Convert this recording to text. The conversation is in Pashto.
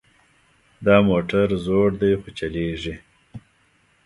دا موټر زوړ ده خو چلیږي